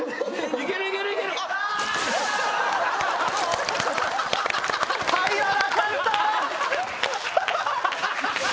入らなかった！